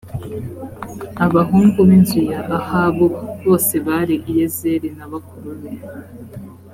abahungu b’inzu ya ahabu bose bari i yezeli na bakuru be